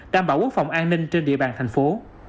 đảm bảo quốc phòng an ninh trên địa bàn thành phố